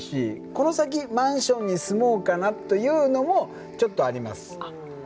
この先マンションに住もうかなというのもちょっとあります。